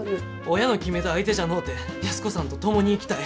親の決めた相手じゃのうて安子さんと共に生きたい。